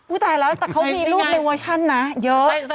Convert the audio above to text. อุ๊ยตายแล้วแต่เขามีรูปในโวชั่นนะเยอะ